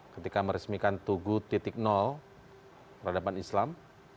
ketika meresmikan tugu peradaban islam